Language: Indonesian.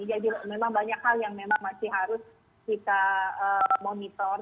jadi memang banyak hal yang memang masih harus kita monitor